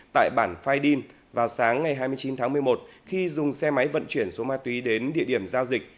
tại bản phaidin vào sáng ngày hai mươi chín tháng một mươi một khi dùng xe máy vận chuyển số ma túy đến địa điểm giao dịch